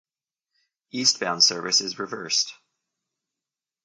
Eastbound service is reversed.